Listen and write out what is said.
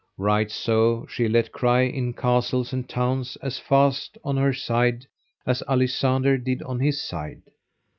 Right so she let cry in castles and towns as fast on her side as Alisander did on his side.